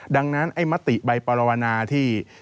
ดังนั้นไอ้มติใบปรวนาที่